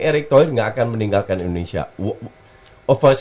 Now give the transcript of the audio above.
erik thohir gak akan meninggalkan indonesia